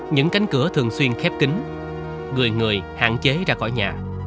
những cánh cửa thường xuyên khép kính người người hạn chế ra khỏi nhà